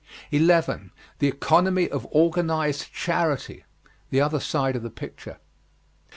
11. THE ECONOMY OF ORGANIZED CHARITY. The other side of the picture.